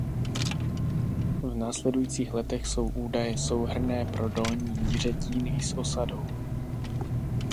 V následujících letech jsou údaje souhrnné pro Dolní Jiřetín i s osadou.